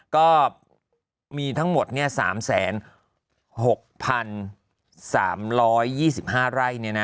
ก็มีทั้งหมด๓๖๓๒๕ไร่